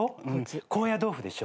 高野豆腐でしょ。